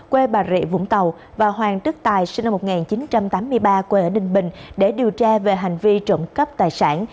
quê bà rịa vũng tàu và hoàng đức tài sinh năm một nghìn chín trăm tám mươi ba quê ở ninh bình để điều tra về hành vi trộm cắp tài sản